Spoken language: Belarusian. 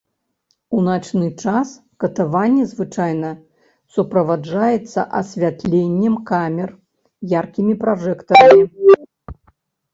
У начны час катаванне звычайна суправаджаецца асвятленнем камер яркімі пражэктарамі.